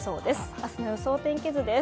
明日の予想天気図です。